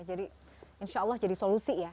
jadi insya allah jadi solusi ya